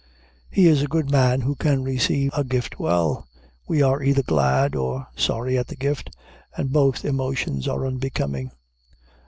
He is a good man who can receive a gift well. We are either glad or sorry at a gift, and both emotions are unbecoming.